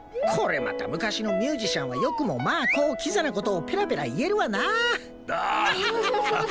これまた昔のミュージシャンはよくもまあこうキザな事をペラペラ言えるわなあ。